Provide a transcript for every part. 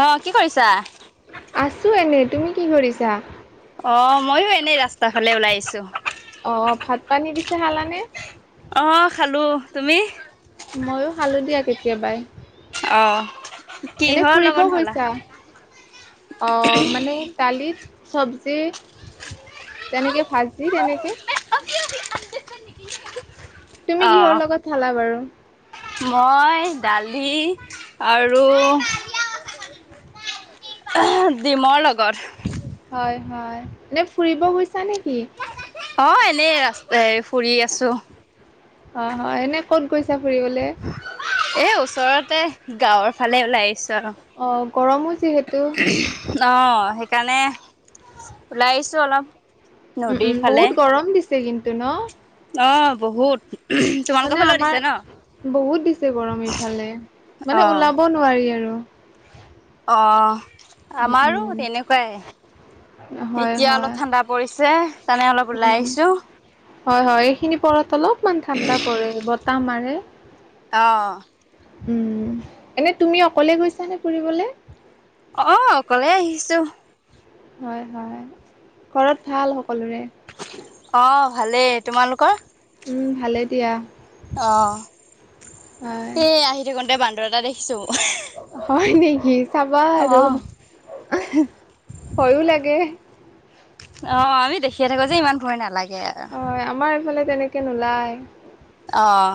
অ' কি কৰিছা? আছোঁ এনে, তুমি কি কৰিছা? অ মইয়ো এনেই ৰাস্তা ফালে ওলাই আহিছো। অ' ভাত-পানী পিছে খালানে? অ' খালো, তুমি? মইয়ো খালো দিয়া কেতিয়াবাই। অঁ এনে ফুৰিব গৈছা, অ মানে কালিত চব্জি যেনেকে ভাজি তেনেকে। [unintelligible] তুমি অ কিহৰ লগত খালা বাৰু মই দালি, আৰু ডিমৰ লগৰ। হয় হয় এনেই ফুৰিব গৈছা নেকি? অ এনেই ৰাস্তাই ফুৰি আছো অ হয় এনে ক'ত গৈছা ফুৰিবলে? এই ওচৰতে গাঁৱৰ ফালে ওলাই আহিছোঁ আৰু অ গৰমো যিহেতু অ সেইকাৰণে ওলাই আহিছো অলপ উম নদীৰ উম ফালে বহুত গৰম দিছে কিন্তু ন? অ বহুত তোমালোকৰ মানে ফালেও আমাৰ দিছে ন বহুত দিছে গৰম ইফালে অ মানে ওলাব নোৱাৰি আৰু। [unintelligible] অ উম আমাৰো উম তেনেকুৱাই। হয় এতিয়া হয় অলপ ঠাণ্ডা পৰিছে সেইকাৰণে অলপ ওলাই উম আহিছো। হয় হয় এইখিনি পৰত অলপমান ঠাণ্ডা পৰে বতাহ মাৰে। অ উম, এনে তুমি অকলে গৈছা নে ফুৰিবলে? অ অকলে আহিছো হয়- হয়, ঘৰত ভাল সকলোৰে? অ', ভালেই তোমালোকৰ? ভালে দিয়া। অ, হয়। সে আহি থাকোতে বান্দৰ এটা দেখিছো মই হয় নেকি? চাবা আৰু ভয়ো লাগে অ আমি দেখিয়ে থাকো যে ইমান ভয় নালাগে আৰু। মানে তেনেকৈ নোলায়। অঁ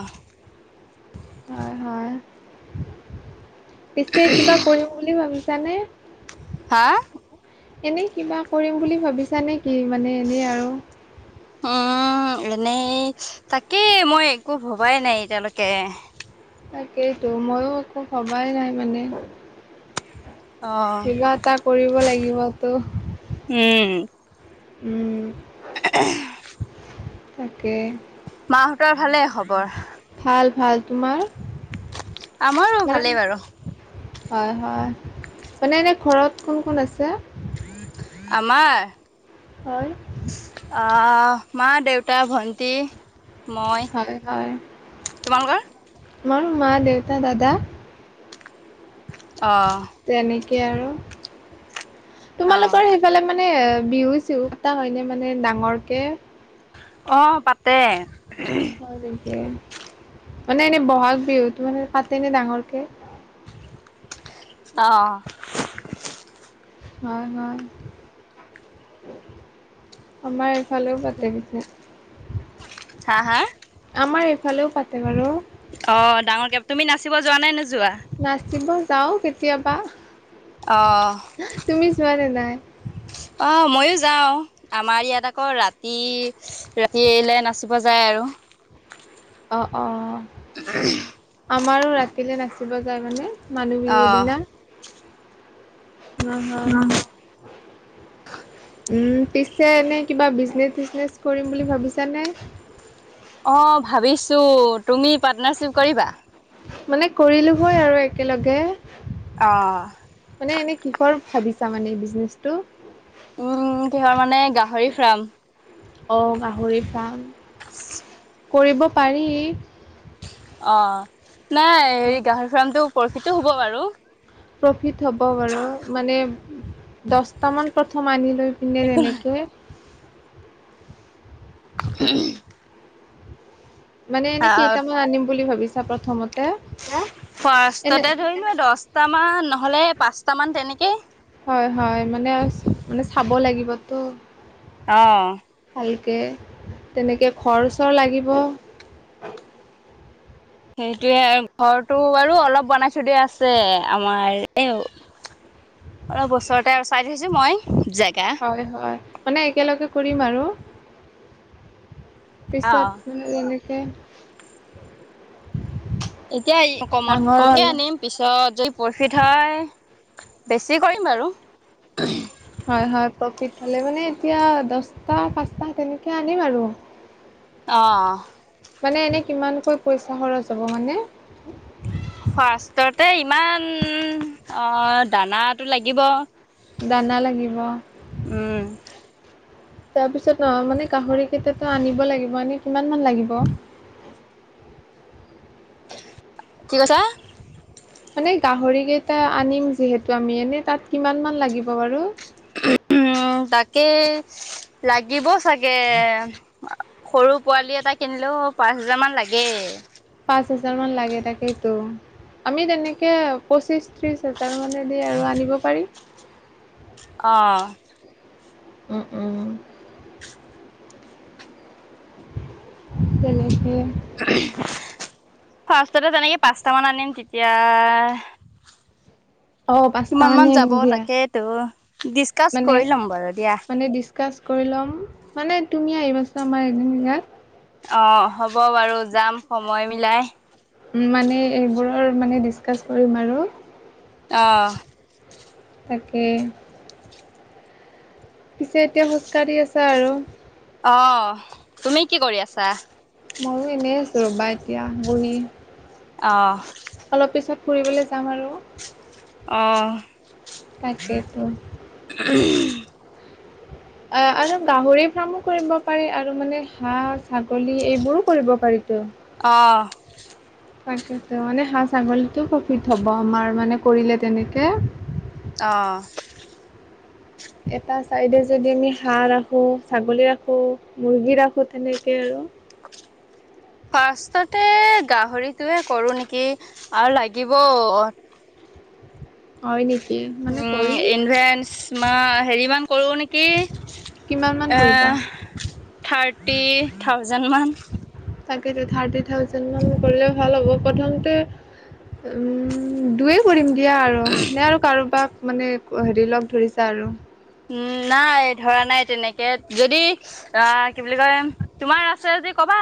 হয় হয়, পিছে কিবা কৰিম বুলি ভাবিছো চানে হা এনেই কিবা কৰিম বুলি ভাবিছা নে কি মানে এনেই আৰু উম এনেই তাকেই মই একো ভবাই নাই এতিয়ালৈকে তাকেইতো মইও একো ভবাই নাই মানে। অ', কিবা এটা কৰিব লাগিবতো, উম। উম [unintelligible] তাকে মাহঁতৰ ভালে খবৰ ভাল ভাল তোমাৰ? আমাৰো মানে ভালেই বাৰু। হয় হয়, মানে এনেই ঘৰত কোন কোন আছে? আমাৰ হয় আহ মা -দেউতা, ভণ্টি, মই হয় হয় তোমালোকৰ? মা, দেউতা, দাদা আহঁ তেনেকে আৰু অ', তোমালোকৰ সেইফালে মানে মানে বিহু চিহু পা হয়নে মানে ডাঙৰকে অ পাতে। হয় নেকি। মানে এনেই বহাগ বিহুতো মানে পাতেনে ডাঙৰকে। অ হয় হয় আমাৰ ইফালেও পাতে পিছে হা হা? আমাৰ এইফালেও পাতে বাৰু। অ ডাঙৰ কে তুমি নাচিব যোৱা নো নাচিব যাও কেতিয়াবা, অ', তুমি যোৱা নে নাই? অ মইয়ো যাওঁ আমাৰ ইয়াত আকৌ ৰাতি ৰাতিলে নাচিব যায় আৰু। অ অ ওমহ আমাৰো ৰাতিলৈ নাচিব যায় মানে মানুহ বিহুৰ অ'। দিনা। নহয়। [unintelligible] উম পিছে এনেই কিবা বিজনেছ চিজনেছ কৰিম বুলি ভাবিছানে? অ ভাবিছো তুমি পাৰ্টনাৰশ্বিপ কৰিবা। মানে কৰিলো হয় আৰু একেলগে, অ'। মানে এনে কিহৰ- ভাবিছা মানে এই বিজনেছটো। উম কিহৰ মানে গাহৰি ফাৰ্ম অহ গাহৰি ফাৰ্ম। কৰিব পাৰি। অ নাই হেৰি গাহৰি ফাৰ্মটো প্ৰফিটো হ'ব বাৰু। প্ৰফিট হ'ব বাৰু মানে দহটামান প্ৰথমে আনি লৈ পি একো নাই। তেনেকে উম! মানে এনে কেইটামান আনিম বুলি ভাবিছা প্ৰথমত। ফাৰ্ষ্টততে ধৰি লোৱা দহটামান নহলে পাঁচটা মান তেনেকেই হয় হয় মানে মানে চাব লাগিবতো। অ ভালকে তেনেকৈ খৰচৰ লাগিব। সেইটোয়ে ঘৰটো বাৰু অলপ বনাই থৈ দিয়া আছে আমাৰ এই অলপ ওচৰতে আৰু চাই থৈছো মই জেগা হয় হয় মানে একেলগে কৰিম আৰু অ পিছত। তাকে এতিয়া আহ কমত কমে আনিম পিছত যদি প্ৰফিত হয়। বেছি কৰিম বাৰু। হয় হয় প্ৰফিট হলে মানে এতিয়া দচটা, পাঁচটা তেনেকে আনিম আৰু। অ মানে এনে কিমানকৈ পইচা খৰচ হ'ব মানে। ফাৰ্ষ্টতে ইমান অ দানাটো লাগিব। দানা লাগিব। উম! তাৰপিছত অ মানে গাহৰি কেইটাতো আনিব লাগিব এনেই কিমান মান লাগিব। [unintelligible] [unintelligible] কি কৈছা। মানে গাহৰি কেইটা আনিম যিহেতু আমি এনেই তাত কিমান মান লাগিব বাৰু। তাকে লাগিব চাগে সৰু পোৱালি এটা কিনিলেও পাঁচ হোজাৰ মান লাগে। পাঁচ হাজাৰ মান লাগে তাকেইতো আমি তেনেকে পঁচিশ ত্ৰিশ হাজাৰ মানে দি আৰু আনিব পাৰি অ উম উম তেনেকে ফাৰ্ষ্টতে তেনেকে পাঁচট মান আনিম তেতিয়া অ পাঁচত কিমান মান মানে যাব নিম দিয়া তাকেইতো ডিচকাচ মানে কৰি ল'ম বাৰু দিয়া। মানে ডিচকাচ কৰি ল'ম মানে তুমি আহিবাচো আমাৰ এদিন ইয়াত অ হ'ব বাৰু যাম সময় মিলাই। উ মানে এইবোৰৰ মানে ডিচকাচ কৰিম আৰু আহ তাকে পিছে এতিয়া খোজ কাঢ়ি আছা আৰু অ তুমি কি কৰি আছা? মইয়ো এনেই আছোঁ ৰ'বা এতিয়া বহি। অ অলপ পিছত ফুৰিবলৈ যাম আৰু তাকেতো। আহ অ আৰু গাহৰি ফাৰ্মো কৰিব পাৰি আৰু মানে হাঁহ ছাগলী এইবোৰো কৰিব পাৰিতো অ তাকেতো মানে হাঁ ছাগলীতো প্ৰফিট হ'ব আমাৰ মানে কৰিলে তেনেকে আহঁ এটা চাইডে যদি আমি হাঁহ ৰাখো ছাগলী ৰাখো মুৰ্গী ৰাখো তেনেকে আৰু অ [unintelligible] ফাৰ্ষ্ট তে গাহৰিটোয়ে কৰো নেকি আৰু লাগিব হয় নেকি মানে উম কৰিম ইনভেঞ্চ মা হেৰি মান কৰো নেকি কিমান মান পোহিবা? ফিফটি থাউজেণ্ডমান। তাক থাৰ্টি থাজেন্ড মান কৰিলে ভাল হ'ব প্ৰথমতে উম দুয়ো কৰিম দিয়া আৰু নে আৰু কাৰোবাক মানে হেৰি লগ ধৰিছা আৰু উম নাই ধৰা নাই তেনেকে যদি অ কি বুলি কয় তোমাৰ আছে যদি ক কাবা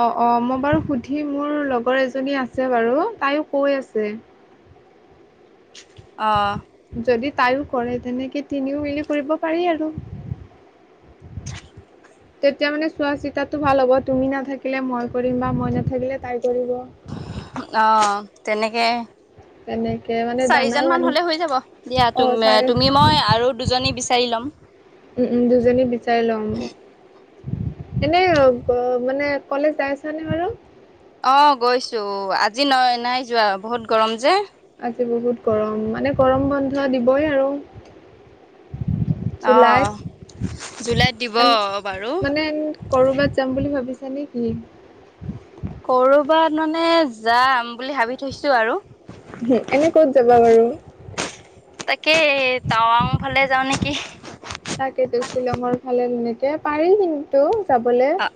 অ অ মই বাৰু সুধি মোৰ লগৰ এজনী আছে বাৰু তাইও কৈ আছে। আহ যদি তাইও কৰে তেনেকে তিনিও মিলি কৰিব পাৰি আৰু তেতিয়া মানে চোৱা চিতাটো ভাল হ'ব তুমি নাথাকিলে মই কৰিম বা মই নাথাকিলে তাই কৰিব। অ তেনেকে তেনেকে মানে দানাও চাৰিজন মান আনি হলে হৈ যাব দিয়া অ', চাৰে তুমি মই আৰু দুজনী বিচাৰ চাৰিলম উম উম দুজনী বিচাৰি লম। এনে মানে কলেজ যাই আছ নে বাৰু? অ গৈছো আজি নয় নাই যোৱা বহুত গৰম যে। আজি বহুত গৰম মানে গৰম বন্ধ দিবই আৰু জুলাইত আহ মানে কৰবাত যাম বুলি ভাবিছো। আছে নে কি কৰবাত মানে যাম। বুলি ভাবি থৈছো আৰু। এনে ক'ত যাবা বাৰু? তাকে টাৱাং ফালে যাওঁ নেকি। তাকেতো শ্বিলঙৰ ফালে এনেকে পাৰিল কিন্তু। যাবলে। অ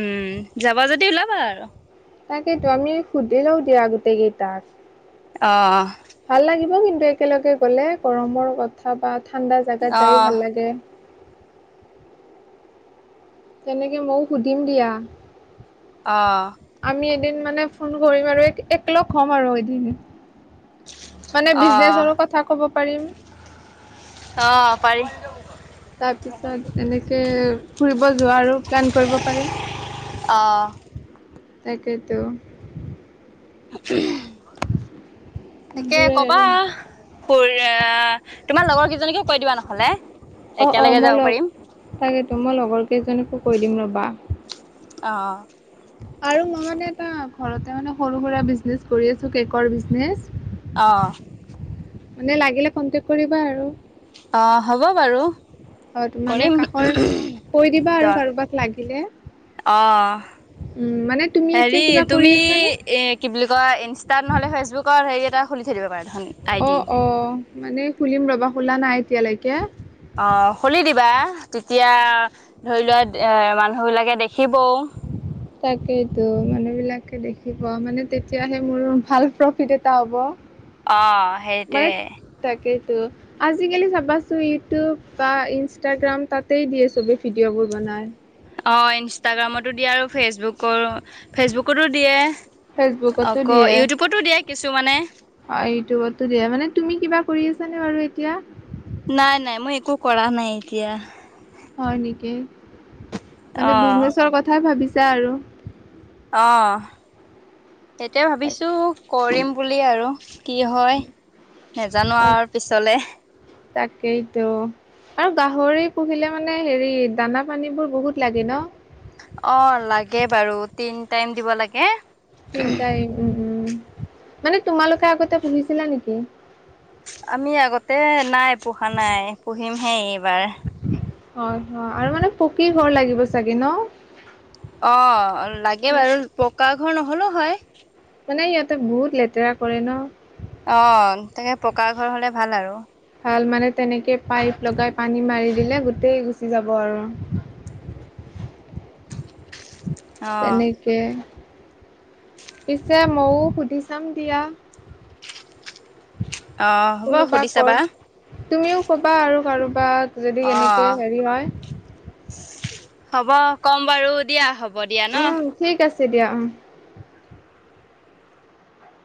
উম যাবা যদি ওলাবা আৰু তাকেইো আমি সুধি লও দিয়া গোটেই কেইটাক। অ। ভাল লাগিব কিন্তু একেলগে গ'লে গৰমৰ কথা বা। ঠাণ্ডা জোগাত যায়ো অ', ভাল লাগে। তেনেকে ময়ও সুধিম দিয়া। অ। আমি এদিন মানে ফোন কৰিম আৰু এককলগ হ'ম আৰু এদিন। মানে অ', বিজনেচৰ কথা কব পাৰিম। অ', পাৰি তাৰপিছত এনেকে ফুৰিব। কত যোৱা আৰু প্লেন কৰিব পাৰিম অ', তাকেই টো। [inaudible] সেইবোৰে আৰু তোমাৰ লগৰ কেইজনীকো কৈ দিবা নহলে। অ অ একেলগে মই যাব লগ পাৰিম তাকেতো মই লগৰ কেইজনীকো কৈ দিম ৰ'বা। অ। আৰু মনতে সৰু কিবা বিজনেচ কৰি কেকৰ বিজনেচ। অ। মানে লাগিলে কনটেক কৰিবা আৰু। অ হ'ব বাৰু। অ তো মানে কৰিম কাষৰ কৈ দিবা আৰু যত কাৰোবাক লাগিলে। অ উম মানে তুমি এতিয়া হেৰি কিবা কৰি তুমি আছানে? এ কি বুলি। ইনষ্টাত নহলে ফেচবুকত হেৰি এটা খুলি থৈ দিব পাৰা। দেখোন। আই অ ডি অ মানে খুলিম ৰবা খোলা নাই এতিয়ালৈকে। অ খুলি দিবা তেতিয়া ধৰি লোৱা এ মানুহ বিলাকে দেখিবও। তাকেইতো মানুহ বিলাকে দেখিব মানে তেতিয়াহে মোৰ ভাল প্ৰফিট এটা হ'ব। অ সেইটোৱে। ত' আজিকালি চাবাচোন ইউটিউব বা ইনষ্টাগ্ৰাম তাতেই দিয়ে চবেই ভিডিঅ'বোৰ বনায়। অঁ ইনষ্টাগ্ৰামতো দিয়ে আৰু ফেচবুকৰো ফেচবুকতো দিয়ে। ফেচবুকতো আকৌ দিয়ে। ইউটিউবতো দিয়া কিছু অ ইউটিউবতো দিয়া মানে তুমি কিবা কৰি আছানে বাৰু এতিয়া। নাই নাই মই একো কৰা নাই এতিয়া। হয় নেকি মানে অ', বিজনেচৰ কথাই ভাবিছা আৰু। অ। এতিয়া ভাবিছো কৰিম বুলি আৰু কি হয় নেজানো তাক আৰু পিছলে। তাকেইতো। আৰু গাহৰি পুহিলে মানে হেৰি দানা পানীবোৰ বহুত লাগে ন। অ লাগে বাৰু তিন টাইম দিব লাগে। তিন টাইম উম উম মানে তোমালোকে আগতে পুহিছিলা নেকি। আমি আগতে নাই পোহা নাই পুহিমহে এইবাৰ। হয় হয় অ লাগে বাৰু পকা ঘৰ নহলেও হয়। মানে ইয়াতে বহুত লেতেৰা কৰে ন। অ তাকে পকা ঘৰ হলে ভাল আৰু। ভাল মানে তেনেকৈ পাইপ লগাই পানী মাৰি দিলে গোটেই গুচি যাব আৰু । [unintelligible] তেনেকে পিছে ময়ো সুধি চাম দিয়া অ', হ'ব কোনোবা সুধি কৰ চাবা। তুমিও কবা আৰু,, কাৰোবা যদি অ কেনেকে হেৰি হয় হ'ব কম বাৰু দিয়া হ'ব দিয়া ন! তেতিয়া অ'।